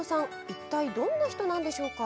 いったいどんな人なんでしょうか。